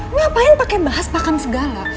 ngapain pake bahas bahkan segala